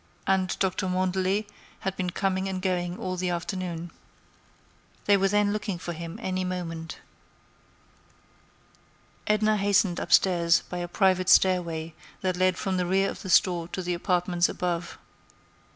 And Dr. Mandelet had been coming and going all the afternoon. They were then looking for him any moment. Edna hastened upstairs by a private stairway that led from the rear of the store to the apartments above.